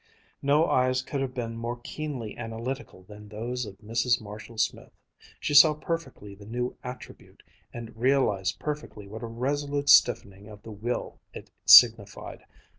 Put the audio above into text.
No eyes could have been more keenly analytical than those of Mrs. Marshall Smith. She saw perfectly the new attribute, and realized perfectly what a resolute stiffening of the will it signified.